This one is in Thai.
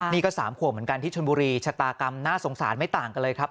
นี่ก็๓ขวบเหมือนกันที่ชนบุรีชะตากรรมน่าสงสารไม่ต่างกันเลยครับ